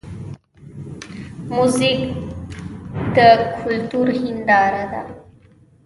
موزیک د کلتور هنداره ده.